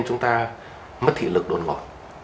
chúng ta mất thị lực đột ngột